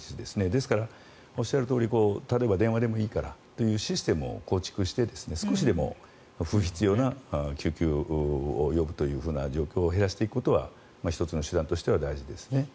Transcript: ですから、おっしゃるとおり例えば電話でもいいからシステムを構築して、少しでも不必要な救急を呼ぶという状況を減らしていくことは１つの手段としては大事ですね。